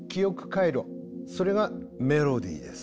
それがメロディーです。